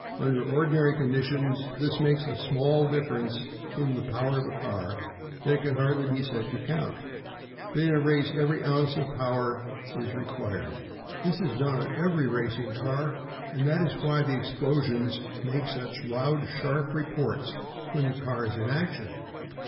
Under ordinary conditions, this makes such a small difference in the power of a car that it can hardly be said to count, but in a race every ounce of power is required. This is done on every racing car, and that is why the explosions make such loud, sharp reports when the car is in action.